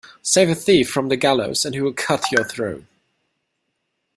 Save a thief from the gallows and he will cut your throat.